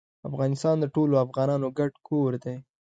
افغانستان د ټولو افغانانو ګډ کور دی